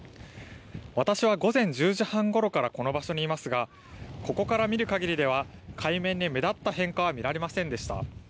私は午前１０時半ごろからこの場所にいますが、ここから見るかぎりでは海面に目立った変化は見られませんでした。